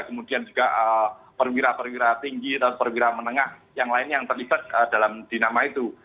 kemudian juga perwira perwira tinggi perwira menengah yang lainnya yang terlibat di dalam nama itu